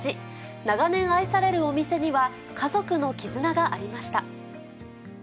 長年愛されるお店には、家族の絆がありました。